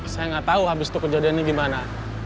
saya gak tau habis itu kejadiannya gimana